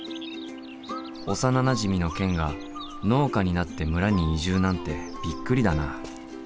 幼なじみのケンが農家になって村に移住なんてびっくりだな。